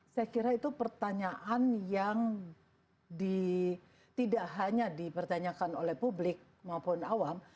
saya kira itu pertanyaan yang tidak hanya dipertanyakan oleh publik maupun awam